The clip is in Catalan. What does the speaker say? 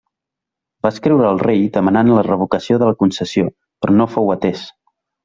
Va escriure al rei demanant la revocació de la concessió, però no fou atès.